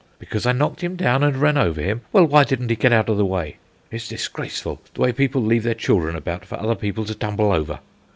Because I knocked him down and ran over him? Well, why didn't he get out of the way? It's disgraceful, the way people leave their children about for other people to tumble over.